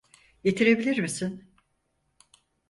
Getirebilir misin?